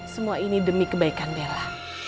semua ini demi kebaikan bella